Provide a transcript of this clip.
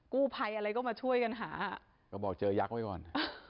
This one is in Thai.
กู้ภัยอะไรก็มาช่วยกันหาก็บอกเจอยักษ์ไว้ก่อน